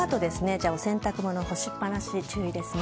じゃあ洗濯物干しっ放し注意ですね。